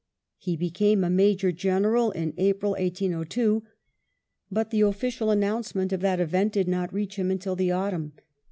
He became a Major General in April, 1802, but the official announcement of that event did not reach him until the autumn.